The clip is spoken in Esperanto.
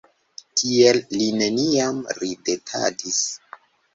Tiel li neniam ridetadis.